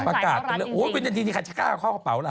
ประกาศก็เลยโอ้โหไม่จริงใครจะกล้ากับเข้ากระเป๋าล่ะ